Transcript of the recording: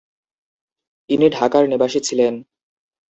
ইনি ঢাকার নিবাসী ছিলেন।